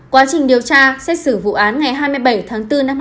quá trình điều tra xét xử vụ án ngày hai mươi bảy tháng bốn năm hai nghìn hai mươi